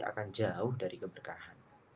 akan jauh dari keberkahan